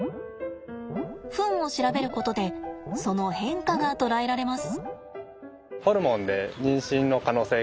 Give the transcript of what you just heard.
フンを調べることでその変化が捉えられます。